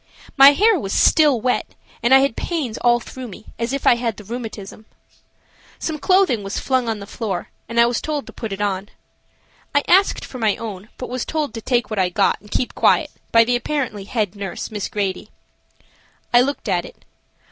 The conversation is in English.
My hair was still wet and I had pains all through me, as if I had the rheumatism. Some clothing was flung on the floor and I was told to put it on. I asked for my own, but was told to take what I got and keep quiet by the apparently head nurse, Miss Grady. I looked at it.